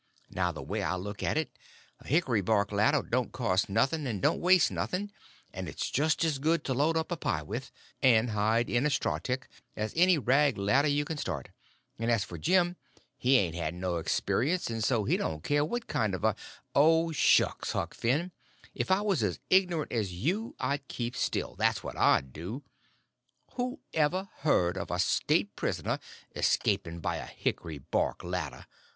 Now, the way I look at it, a hickry bark ladder don't cost nothing, and don't waste nothing, and is just as good to load up a pie with, and hide in a straw tick, as any rag ladder you can start; and as for Jim, he ain't had no experience, and so he don't care what kind of a—" "Oh, shucks, Huck Finn, if I was as ignorant as you I'd keep still—that's what I'd do. Who ever heard of a state prisoner escaping by a hickry bark ladder?